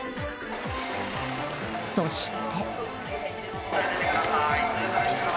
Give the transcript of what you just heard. そして。